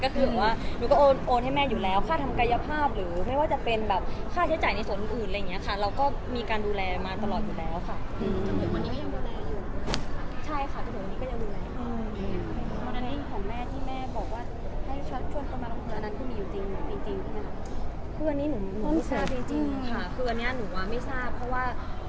คืออันนี้หนูไม่ทราบจริงค่ะคืออันนี้หนูว่าไม่ทราบเพราะว่าเอ่อหนูก็ไม่ทราบจริงค่ะ